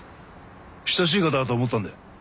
親しい方だと思ったんで。